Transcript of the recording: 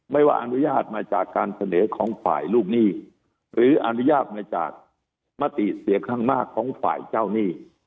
ว่าอนุญาตมาจากการเสนอของฝ่ายลูกหนี้หรืออนุญาตมาจากมติเสียข้างมากของฝ่ายเจ้าหนี้